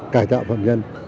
cải tạo phẩm nhân